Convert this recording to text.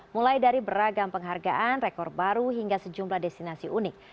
mulai dari beragam penghargaan rekor baru hingga sejumlah destinasi unik